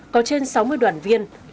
có trên sáu mươi đoàn viên là cán bộ chiến sĩ